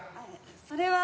それは。